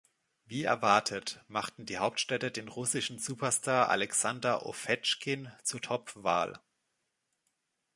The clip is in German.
Wie erwartet, machten die Hauptstädte den russischen Superstar Alexander Ovechkin zur Top-Wahl.